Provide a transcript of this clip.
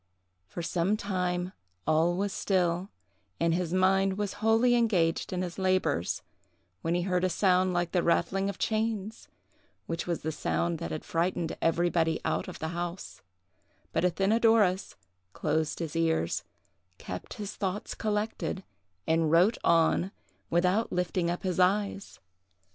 For some time all was still, and his mind was wholly engaged in his labors, when he heard a sound like the rattling of chains—which was the sound that had frightened everybody out of the house; but Athenadorus closed his ears, kept his thoughts collected, and wrote on, without lifting up his eyes.